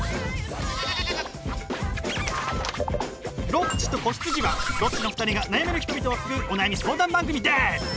「ロッチと子羊」はロッチの２人が悩める人々を救うお悩み相談番組です！